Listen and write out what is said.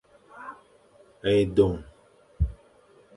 Edong.